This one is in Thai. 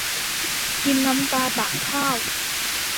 กินน้ำตาต่างข้าว